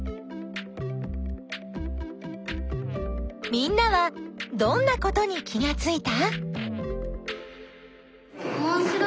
みんなはどんなことに気がついた？